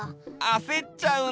あせっちゃう！